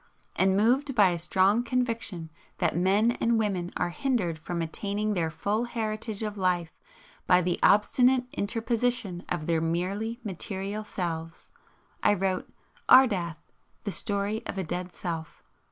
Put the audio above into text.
And moved by a strong conviction that men and women are hindered from attaining their full heritage of life by the obstinate interposition of their merely material Selves, I wrote "Ardath: The Story of a Dead Self."